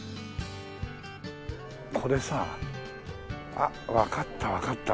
これさあっわかったわかった。